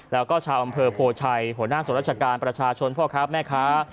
แล้วก็ชาวอำเภอโพชัยหัวหน้าส่วนราชการประชาชนพ่อค้าแม่ค้า